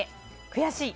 悔しい！